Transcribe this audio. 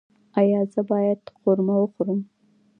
ایا زه باید قورمه وخورم؟